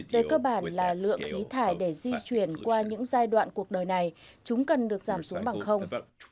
về cơ bản là lượng khí thải để di chuyển qua những giai đoạn cuộc đời này chúng cần được giảm xuống bằng không